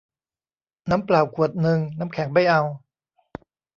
น้ำเปล่าขวดนึง น้ำแข็งไม่เอา